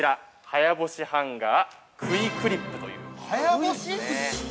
早干しハンガークイクリップという。